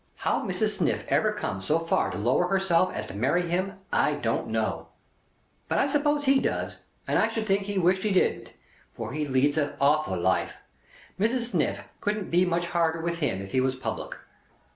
How Mrs. Sniff ever come so far to lower herself as to marry him, I don't know; but I suppose he does, and I should think he wished he didn't, for he leads a awful life. Mrs. Sniff couldn't be much harder with him if he was public.